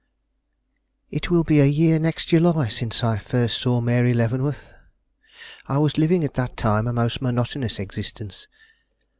It will be a year next July since I first saw Mary Leavenworth. I was living at that time a most monotonous existence.